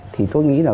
thì tôi nghĩ là